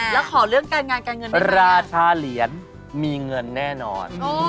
แล้วขอเรื่องการงานการเงินราชาเหรียญมีเงินแน่นอน